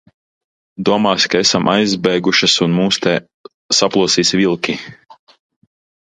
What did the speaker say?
Domās, ka esam aizbēgušas un mūs te saplosīs vilki.